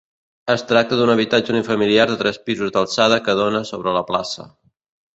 Es tracta d'un habitatge unifamiliar de tres pisos d'alçada que dóna sobre la plaça.